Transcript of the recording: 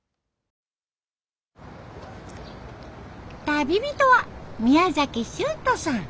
旅人は宮崎秋人さん。